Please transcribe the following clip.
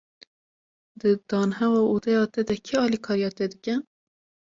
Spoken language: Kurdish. Di danheva odeya te de, kî alîkariya te dike?